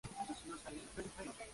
Beneficiará a la actividad turística.